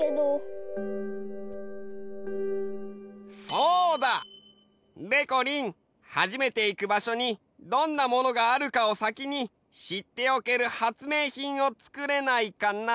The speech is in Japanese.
そうだ！でこりん初めていく場所にどんなものがあるかを先にしっておける発明品をつくれないかな？